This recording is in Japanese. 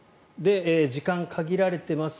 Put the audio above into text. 時間が限られています。